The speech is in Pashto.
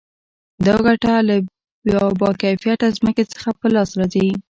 دا ګټه له با کیفیته ځمکې څخه په لاس راځي